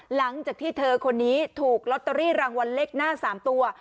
หลังจากที่เธอคนนี้ถูกลอตเตอรี่รางวัลเลขหน้า๓ตัว